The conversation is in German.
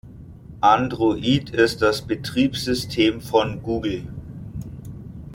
Android ist das Betriebssystem von Google.